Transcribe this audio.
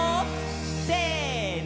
せの！